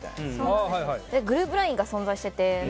グループＬＩＮＥが存在してて。